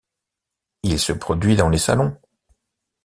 Il se produit dans les salons.